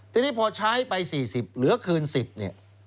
ทีนี้พอใช้ไป๔๐เหลือคืน๑๐เนี่ย